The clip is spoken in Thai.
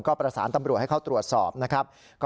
ก็ประสานตำรวจให้เข้าตรวจสอบนะครับ